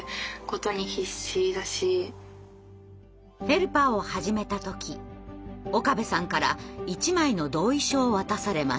ヘルパーを始めた時岡部さんから１枚の同意書を渡されました。